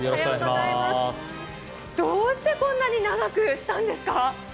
どうしてこんなに長くしたんですか？